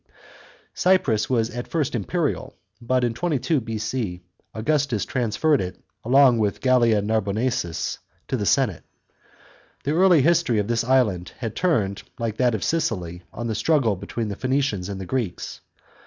C.). Cyprus was fit first imperial, but in 22 B.C. Augustus transferred it, along with Gallia Narbonensis, to the senate. The early history of this island had turned, like that of Sicily, on the struggle between the Phoeni cians and the Greeks.